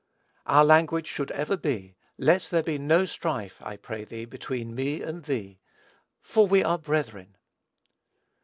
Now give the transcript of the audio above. Our language should ever be, "Let there be no strife, I pray thee, between me and thee ... for we are brethren."